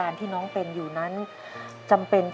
แต่ที่แม่ก็รักลูกมากทั้งสองคน